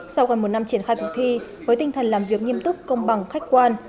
sau gần một năm triển khai cuộc thi với tinh thần làm việc nghiêm túc công bằng khách quan